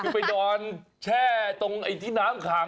ไปดอนแช่ตรงไอที่น้ำขัง